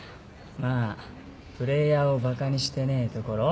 まあプレーヤーをバカにしてねえところ